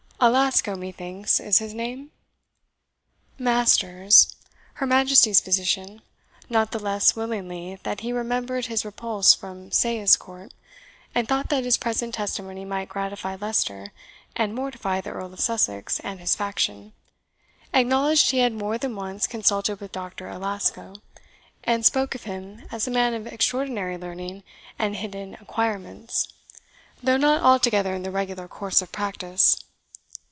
"Alasco, methinks, is his name." Masters, her Majesty's physician (not the less willingly that he remembered his repulse from Sayes Court, and thought that his present testimony might gratify Leicester, and mortify the Earl of Sussex and his faction), acknowledged he had more than once consulted with Doctor Alasco, and spoke of him as a man of extraordinary learning and hidden acquirements, though not altogether in the regular course of practice.